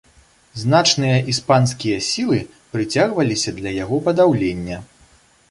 Значныя іспанскія сілы прыцягваліся для яго падаўлення.